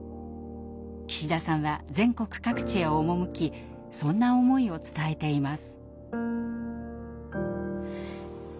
岸田さんは全国各地へ赴きそんな思いを伝えています。